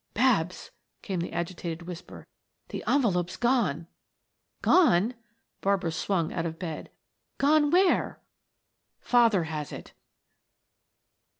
"Babs!" came the agitated whisper. "The envelope's gone." "Gone!" Barbara swung out of bed. "Gone where?" "Father has it."